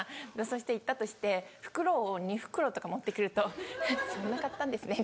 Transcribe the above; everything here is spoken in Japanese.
そして行ったとして袋を２袋とか持って来ると「フッそんな買ったんですね」